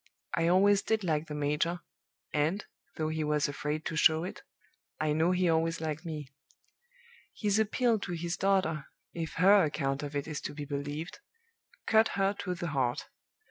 I always did like the major; and, though he was afraid to show it, I know he always liked me. His appeal to his daughter (if her account of it is to be believed) cut her to the heart.